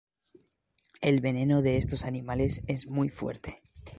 El veneno de estos animales es muy fuerte.